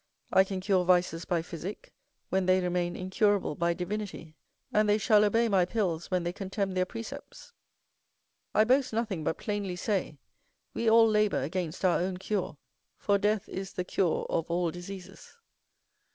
I can cure vices by physick when they remain incurable by divinity, and they shall obey my pills when they contemn their precepts. I boast nothing, but plainly say, we all labour against our own cure; for death is the cure of all diseases.